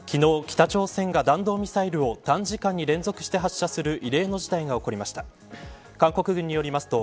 昨日、北朝鮮が弾道ミサイルを短時間に連続して発射する異例の事態が起こりました。